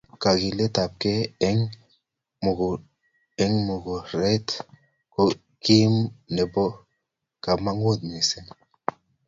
kokiletabkee eng mungaret ko kit nebo kamanut mising